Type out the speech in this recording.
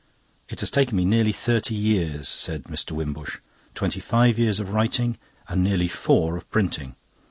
"It has taken me nearly thirty years," said Mr. Wimbush. "Twenty five years of writing and nearly four of printing.